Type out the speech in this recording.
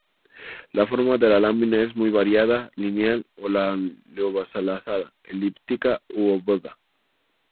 La forma de la lámina es muy variada: lineal, o lanceolada, elíptica u obovada.